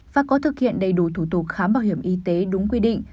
và có thực hiện đầy đủ thủ tục khám bảo hiểm y tế đúng quy định